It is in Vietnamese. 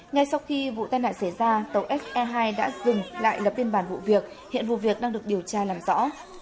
ngay sau khi vụ tai nạn xảy ra tàu se hai đã dừng lại lập biên bản vụ việc hiện vụ việc đang được điều tra làm rõ